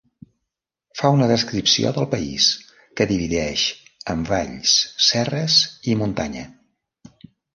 Fa una descripció del país, que divideix en valls, serres i muntanya.